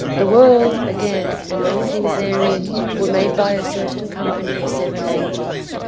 The world, again, and all things therein, were made by a certain company of seven angels.